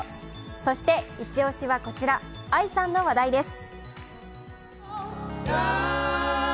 そしてイチ押しは、こちら、ＡＩさんの話題です。